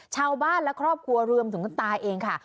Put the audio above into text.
ชาวบ้านและครอบครัวรวมถึงคุณตาเองค่ะ